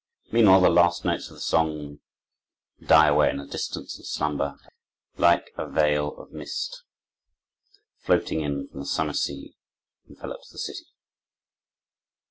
Meanwhile, the last notes of the song die away in the distance, and slumber, like a veil of mist floating in from the summer sea, envelops the city.